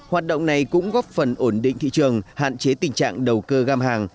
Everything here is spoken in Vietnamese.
hoạt động này cũng góp phần ổn định thị trường hạn chế tình trạng đầu cơ găm hàng